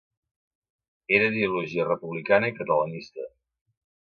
Era d'ideologia republicana i catalanista.